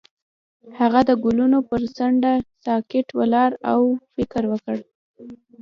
هغه د ګلونه پر څنډه ساکت ولاړ او فکر وکړ.